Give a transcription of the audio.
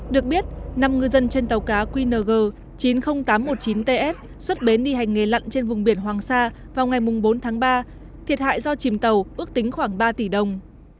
được biết năm ngư dân trên tàu cá qng chín mươi nghìn tám trăm một mươi chín ts xuất bến đi hành nghề lặn trên vùng biển hoàng sa vào ngày bốn tháng ba thiệt hại do chìm tàu ước tính khoảng ba tỷ đồng